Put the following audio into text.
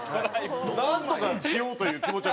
なんとかしようという気持ちは感じる。